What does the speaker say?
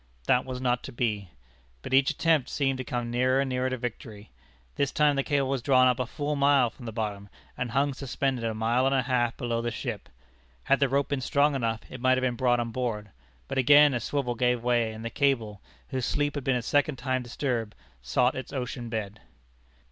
That was not to be; but each attempt seemed to come nearer and nearer to victory. This time the cable was drawn up a full mile from the bottom, and hung suspended a mile and a half below the ship. Had the rope been strong enough, it might have been brought on board. But again a swivel gave way, and the cable, whose sleep had been a second time disturbed, sought its ocean bed.